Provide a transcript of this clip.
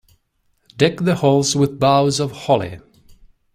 Deck the halls with boughs of holly.